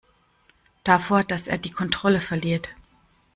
Davor, dass er die Kontrolle verliert.